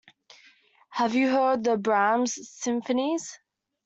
Have you heard the Brahms symphonies?